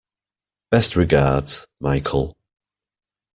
Best regards, Michael